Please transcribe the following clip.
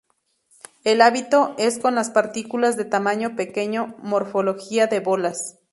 El hábito es con las partículas de tamaño pequeño morfología de bolas.